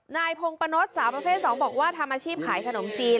นายพงปะนดสาวประเภท๒บอกว่าทำอาชีพขายขนมจีน